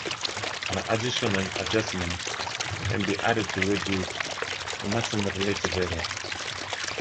An additional adjustment can be added to reduce the maximum relative error.